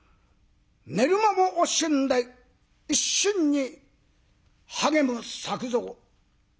寝る間も惜しんで一心に励む作蔵。